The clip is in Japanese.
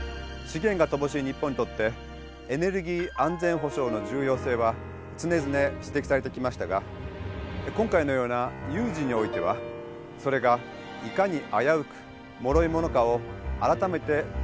資源が乏しい日本にとってエネルギー安全保障の重要性は常々指摘されてきましたが今回のような有事においてはそれがいかに危うくもろいものかを改めて痛切に感じます。